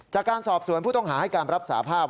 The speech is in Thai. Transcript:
จากการสอบสวนผู้ต้องหาให้การรับสาภาพ